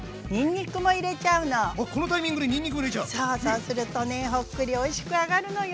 そうするとねほっくりおいしく揚がるのよ。